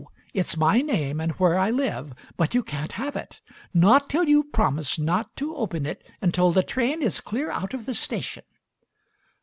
It's my name and where I live, but you can't have it. Not till you've promised not to open it until the train is clear out of the station."